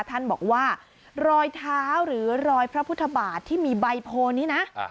ท่านบอกว่ารอยเท้าหรือรอยพระพุทธบาทที่มีใบโพนี้นะ